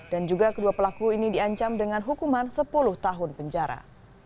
dan juga kedua pelaku ini diancam dengan hukuman sepuluh tahun penjara